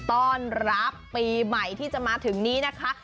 ต้อนรับปีใหม่ที่จะมาถึงนี้นะคะ